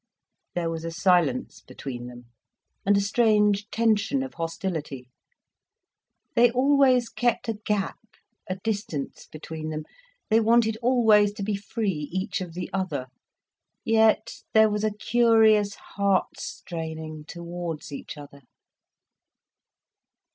There was a silence between them, and a strange tension of hostility. They always kept a gap, a distance between them, they wanted always to be free each of the other. Yet there was a curious heart straining towards each other.